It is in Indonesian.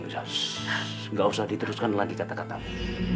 tidak usah diteruskan lagi kata katanya